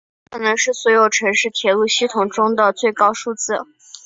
这可能是所有城市铁路系统中的最高数字。